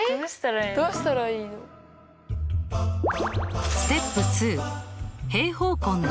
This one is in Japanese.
どうしたらいいの？